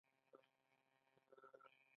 بي له موره ژوند بي خونده وي